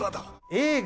映画